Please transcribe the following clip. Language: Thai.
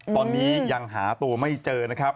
ตอนนี้ยังหาตัวไม่เจอนะครับ